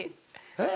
えっ？